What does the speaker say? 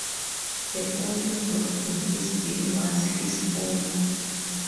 The only vote for his bill was his own.